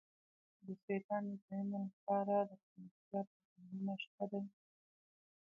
د سیلاني ځایونو لپاره دپرمختیا پروګرامونه شته دي.